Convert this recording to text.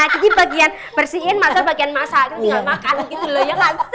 jadi bagian bersihin masal bagian masakin